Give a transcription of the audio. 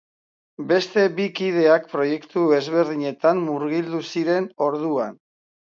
Beste bi kideak proiektu ezberdinetan murgildu ziren orduan.